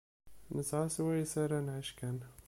Nesεa swayes ara nεic kan.